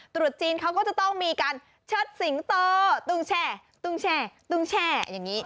ตรวจจีนเขาก็จะต้องมีการเชิดสิงโตตุ้งแช่อย่างนี้